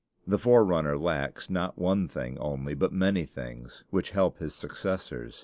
The forerunner lacks not one thing only, but many things, which help his successors.